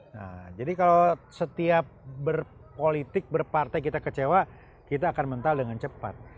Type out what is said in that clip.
nah jadi kalau setiap berpolitik berpartai kita kecewa kita akan mental dengan cepat